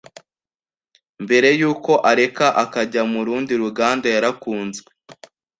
mbere yuko areka akajya mu rundi ruganda yarakunzwe?